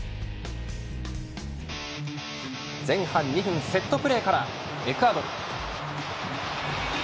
前半２分、セットプレーからエクアドルです。